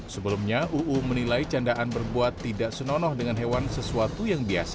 sebelumnya uu menilai candaan berbuat tidak senonoh dengan hewan sesuatu yang biasa